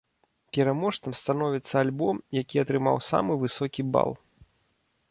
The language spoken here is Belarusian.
Пераможцам становіцца альбом, які атрымаў самы высокі бал.